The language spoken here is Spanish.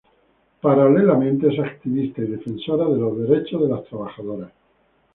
Paralelamente es activista y defensora de los derechos de las trabajadoras.